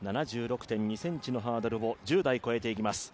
７６．２ｃｍのハードルを１０台越えていきます。